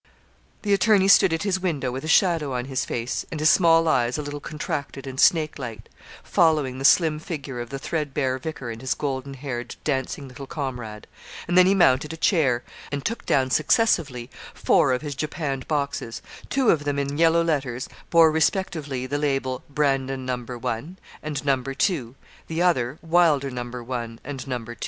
The attorney stood at his window with a shadow on his face, and his small eyes a little contracted and snakelike, following the slim figure of the threadbare vicar and his golden haired, dancing little comrade; and then he mounted a chair, and took down successively four of his japanned boxes; two of them, in yellow letters, bore respectively the label 'Brandon, No. 1,' and 'No. 2;' the other 'Wylder, No. 1,' and 'No. 2.'